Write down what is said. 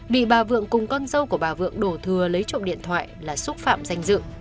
bị bà vượng cùng con dâu của bà vượng đổ thừa lấy trộm điện thoại là xúc phạm danh dự